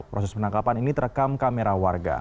proses penangkapan ini terekam kamera warga